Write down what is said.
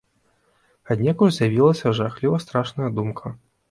Аднекуль з'явілася жахліва страшная думка.